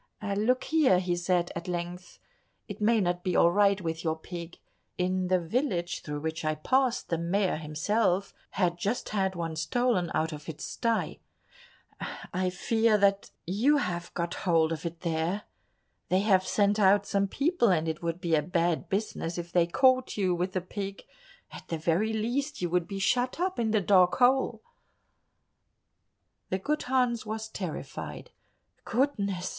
"Look here," he said at length, "it may not be all right with your pig. In the village through which I passed, the Mayor himself had just had one stolen out of its sty. I fear—I fear that you have got hold of it there. They have sent out some people and it would be a bad business if they caught you with the pig; at the very least, you would be shut up in the dark hole." The good Hans was terrified. "Goodness!"